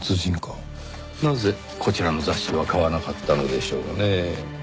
なぜこちらの雑誌は買わなかったのでしょうねぇ？